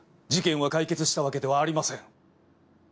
事件は解決したわけではありません。